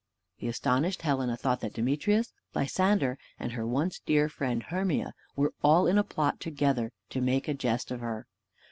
The astonished Helena thought that Demetrius, Lysander, and her once dear friend Hermia, were all in a plot together to make a jest of her.